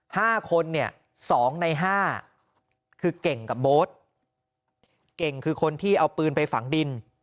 ห้าคนเนี่ยสองในห้าคือเก่งกับโบ๊ทเก่งคือคนที่เอาปืนไปฝังดิน